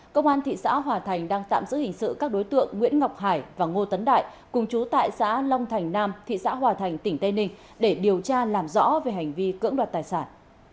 công an thị xã hòa thành đang tạm giữ hình sự các đối tượng nguyễn ngọc hải và ngô tấn đại cùng chú tại xã long thành nam thị xã hòa thành tỉnh tây ninh để điều tra làm rõ về hành vi cưỡng đoạt tài sản